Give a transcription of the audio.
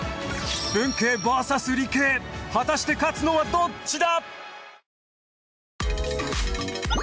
文系ＶＳ理系果たして勝つのはどっちだ！？